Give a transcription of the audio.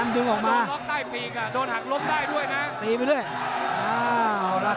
ตีไปด้วย